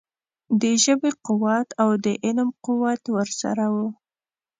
د ژبې قوت او د علم قوت ورسره وو.